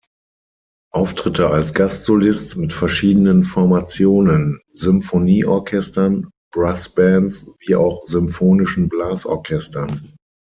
Auftritte als Gastsolist mit verschiedenen Formationen; Symphonieorchestern, Brass Bands wie auch Symphonischen Blasorchestern.